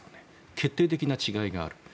決定的な違いがある。